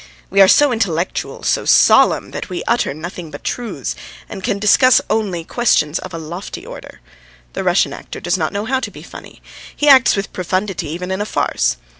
We are so intellectual, so solemn, that we utter nothing but truths and can discuss only questions of a lofty order. The Russian actor does not know how to be funny; he acts with profundity even in a farce.